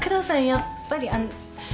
やっぱりあのう。